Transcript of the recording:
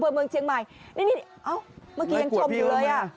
นี่นี่เอ้าเมื่อกี้ยังชมอยู่เลยอ่ะ